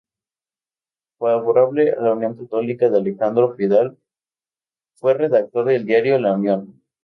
Favorable a la Unión Católica de Alejandro Pidal, fue redactor del diario "La Unión".